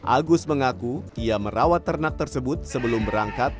agus mengaku ia merawat ternak tersebut sebelum berangkat